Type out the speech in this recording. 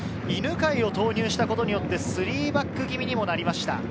犬飼を投入したことによって３バック気味にもなりました。